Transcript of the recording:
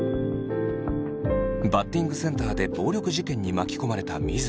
バッティングセンターで暴力事件に巻き込まれた水城。